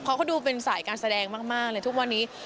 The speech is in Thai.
เพราะเขาดูเป็นสายการแสดงมากเลยทุกวันนี้